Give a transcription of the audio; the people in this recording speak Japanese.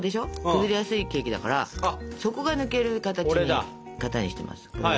崩れやすいケーキだから底が抜ける型にしてます。